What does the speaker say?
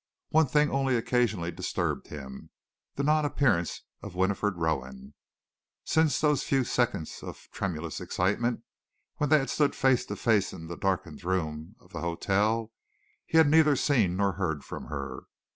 One thing only occasionally disturbed him the non appearance of Winifred Rowan. Since those few seconds of tremulous excitement when they had stood face to face in the darkened room of the hotel, he had neither seen nor heard from her.